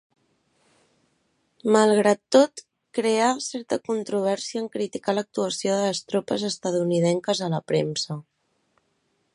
Malgrat tot, creà certa controvèrsia en criticar l'actuació de les tropes estatunidenques a la premsa.